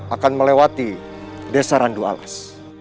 akan melewati desa randu alas